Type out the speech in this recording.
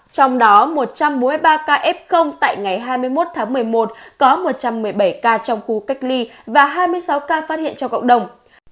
trong đó một trăm bốn mươi ba ca f tại ngày hai mươi một tháng một mươi một có một trăm một mươi bảy ca trong khu cách ly và hai mươi sáu ca phát hiện trong cộng đồng